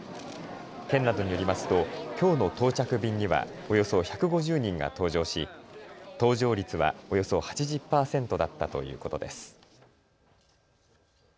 県などによりますときょうの到着便にはおよそ１５０人が搭乗し搭乗率はおよそ８０％だったということです。